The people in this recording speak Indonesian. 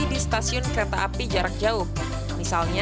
di stasiun kereta api